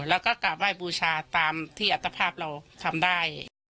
แล้วก็กราบไหว้บูชาตามที่อัตภาพเราทำได้